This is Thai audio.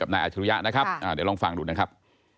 กับนางอาทิวริยะนะครับอ่าเดี๋ยวลองฟังดูนะครับ